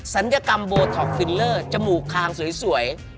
ศัลยกรรมโบท็อกฟิลเลอร์จมูกคางสวย